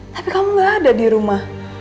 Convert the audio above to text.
tapi kamu gak ada di rumah